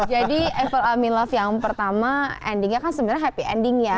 jadi i fall in love yang pertama endingnya kan sebenarnya happy ending ya